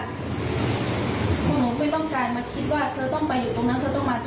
หนูไม่ต้องการมาคิดว่าเธอต้องไปอยู่ตรงนั้นเธอต้องมา